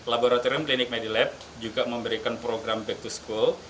laboratorium klinik medilab juga memberikan program back to school